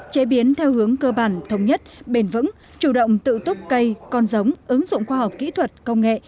chế biến theo hướng cơ bản thống nhất bền vững chủ động tự túc cây con giống ứng dụng khoa học kỹ thuật công nghệ